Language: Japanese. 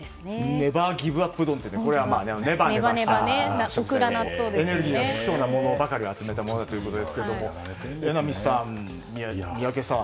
ネバーギブアップ丼ってネバネバした食材でエネルギーのつきそうなものばかりを集めたものということですが榎並さん、宮家さん